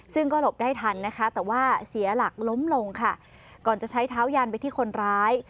ซึ่งก็หลบได้ทันนะคะแต่ว่าเสียหลักล้มลงค่ะก่อนจะใช้เท้ายันไปที่คนร้าย